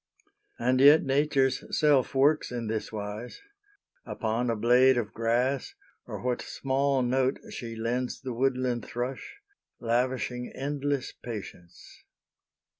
And yet Nature's self Works in this wise; upon a blade of grass, Or what small note she lends the woodland thrush, Lavishing endless patience.